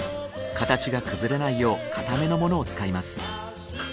形が崩れないよう硬めのものを使います。